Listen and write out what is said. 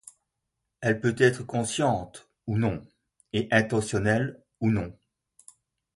Elle peut être consciente ou non, et intentionnelle ou non.